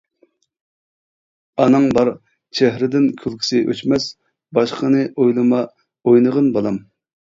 ئاناڭ بار، چېھرىدىن كۈلكىسى ئۆچمەس، باشقىنى ئويلىما، ئوينىغىن بالام.